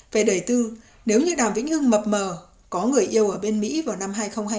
về đời tư nếu như đào vĩnh hưng mập mờ có người yêu ở bên mỹ vào năm hai nghìn hai mươi